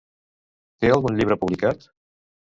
Té algun llibre publicat?